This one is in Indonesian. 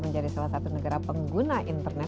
menjadi salah satu negara pengguna internet